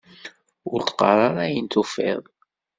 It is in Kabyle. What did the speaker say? Ur d-qqar ara ayen tufiḍ!